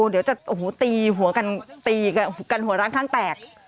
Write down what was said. เดี๋ยวจะโอ้โหตีหัวกันตีกันหัวร้างข้างแตก